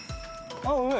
あっうめえ。